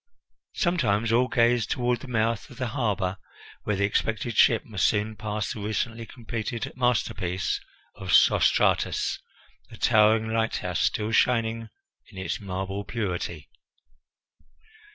Sometimes all gazed toward the mouth of the harbour, where the expected ship must soon pass the recently completed masterpiece of Sostratus, the towering lighthouse, still shining in its marble purity.